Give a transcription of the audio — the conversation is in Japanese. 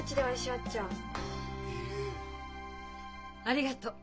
ありがとう。